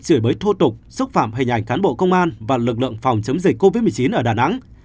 chửi bới thô tục xúc phạm hình ảnh cán bộ công an và lực lượng phòng chống dịch covid một mươi chín ở đà nẵng